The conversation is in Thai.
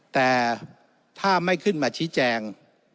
แต่ถ้าไม่ขึ้นมาชี้แจง